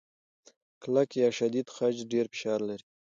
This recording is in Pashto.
کلک یا شدید خج ډېر فشار لري.